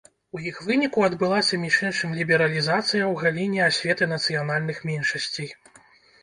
У іх выніку адбылася між іншым лібералізацыя ў галіне асветы нацыянальных меншасцей.